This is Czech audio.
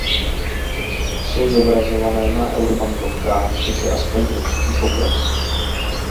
Jsou zobrazované na eurobankovkách, což je alespoň určitý pokrok.